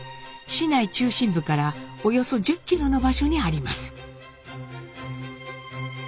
市内中心部からおよそ１０キロの場所にあります。